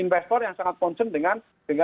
investor yang sangat concern dengan